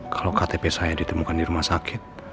kalau ktp saya ditemukan di rumah sakit